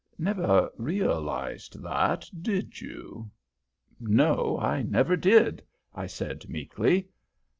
Never realized that, did you?" "No, I never did," I said, meekly.